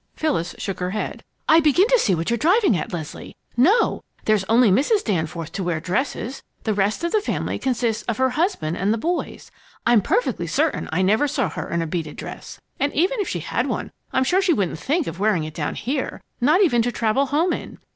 Phyllis shook her head. "I begin to see what you're driving at, Leslie. No, there's only Mrs. Danforth to wear dresses the rest of the family consists of her husband and the boys. I'm perfectly certain I never saw her in a beaded dress. And even if she had one, I'm sure she wouldn't think of wearing it down here, not even to travel home in.